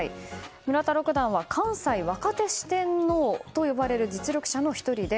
村田六段は関西若手四天王と呼ばれる実力者の１人で